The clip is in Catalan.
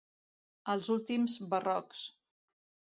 Els últims barrocs.